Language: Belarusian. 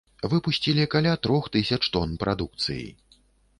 Выпусцілі каля трох тысяч тон прадукцыі.